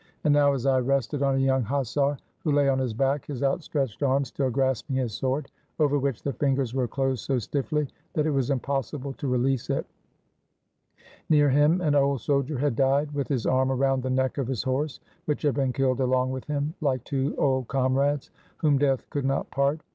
and now his eye rested on a young hussar who lay on his back, his outstretched arm still grasping his sword, over which the fingers were closed so stiffly that it was impossible to release it; near him an old soldier had died, with his arm around the neck of his horse, which had been killed along with him, like two old comrades whom death could not part.